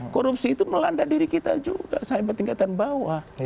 korupsi itu melanda diri kita juga sampai tingkatan bawah